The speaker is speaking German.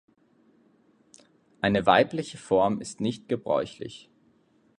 Eine weibliche Form ist nicht gebräuchlich.